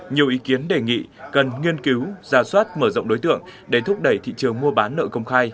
nhiều ý kiến đề nghị cần nghiên cứu giả soát mở rộng đối tượng để thúc đẩy thị trường mua bán nợ công khai